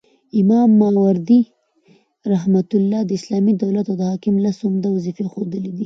امام ماوردي رحمه الله د اسلامي دولت او حاکم لس عمده وظيفي ښوولي دي